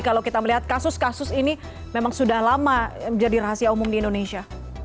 kalau kita melihat kasus kasus ini memang sudah lama menjadi rahasia umum di indonesia